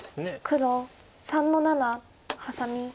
黒３の七ハサミ。